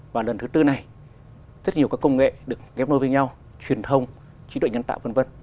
và lần thứ tư này rất nhiều các công nghệ được ghép nối với nhau truyền thông trí tuệ nhân tạo v v